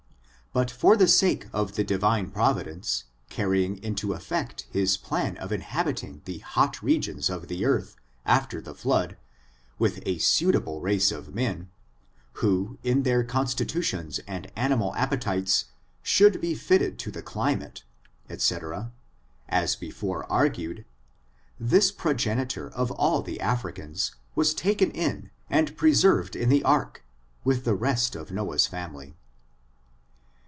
But for the sake of the Divine Providence, carrying into effect his plan of inhabiting the hot regions of the earth, after the flood, with a suitable race of men, who, in their constitutions and animal appetites, should be fitted to the climate, &c., as before argued, this pro genitor of all the Africans was taken in and preserved in the Ark, with the rest of Noah's family.